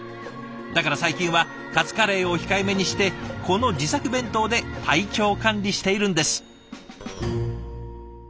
だから最近はカツカレーを控えめにしてこの「自作弁当」で体調管理しているんです。